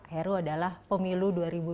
heru adalah pemilu dua ribu dua puluh